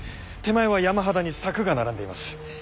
手前は山肌に柵が並んでいます。